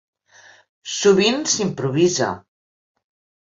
Sovint s'improvisa.